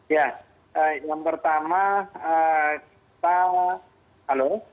ya yang pertama kita halo